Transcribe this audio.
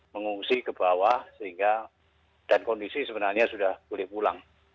mengungsi ke bawah sehingga dan kondisi sebenarnya sudah boleh pulang